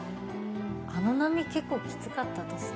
あの波結構きつかったです。